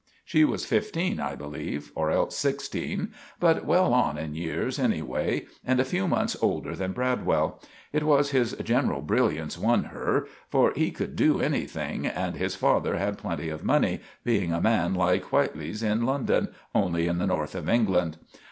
She was fifteen, I believe, or else sixteen, but well on in years anyway, and a few months older than Bradwell. It was his general brillance won her, for he could do anything, and his father had plenty of money, being a man like Whitely's in London, only in the North of England.